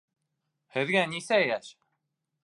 Һеҙгә нисә йәш?